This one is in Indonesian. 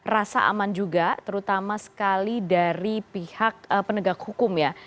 rasa aman juga terutama sekali dari pihak penegak hukum ya